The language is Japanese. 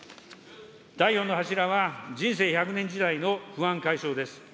第４の柱は、人生１００年時代の不安解消です。